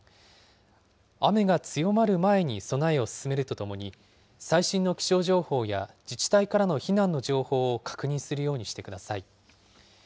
雨が強まる前に備えを進めるとともに、最新の気象情報や、自治体からの避難の情報を確認するようにしてください。